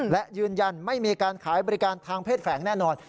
และยืนยันไม่มีการขายบริการทางเพศแฝงแน่นอน